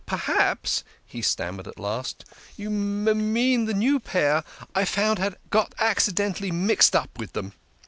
" Perhaps," he stammered at last, " you m mean the new pair I found had got accidentally mixed up with them."